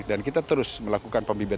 dan kita terus melakukan pembelajaran